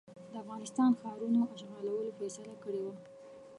د افغانستان ښارونو اشغالولو فیصله کړې وه.